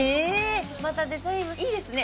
またデザインもいいですね